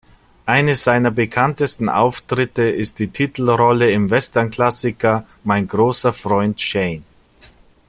Eine seiner bekanntesten Auftritte ist die Titelrolle im Westernklassiker "Mein großer Freund Shane".